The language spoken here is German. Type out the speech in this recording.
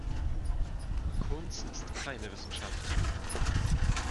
Kunst ist keine Wissenschaft.